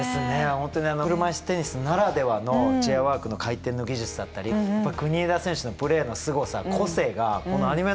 本当に車いすテニスならではのチェアワークの回転の技術だったり国枝選手のプレーのすごさ個性がアニメの中に描かれてましたね。